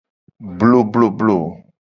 Blobloblo.